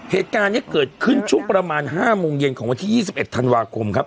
เหตุการณ์เนี้ยเกิดขึ้นช่วงประมาณห้ามงเย็นของวันที่ยี่สิบเอ็ดธันวาคมครับ